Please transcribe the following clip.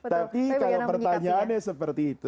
tapi kalau pertanyaannya seperti itu